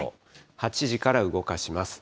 ８時から動かします。